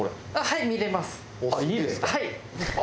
はい。